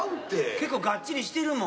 結構がっちりしてるもん。